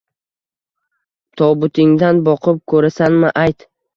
Tobutingdan boqib, ko’rasanmi, ayt